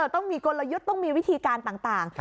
ต้องมีกลยุทธ์ต้องมีวิธีการต่าง